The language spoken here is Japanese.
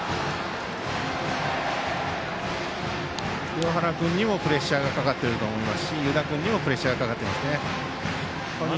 清原君にもプレッシャーがかかっていると思いますし湯田君にもプレッシャーがかかっていますね。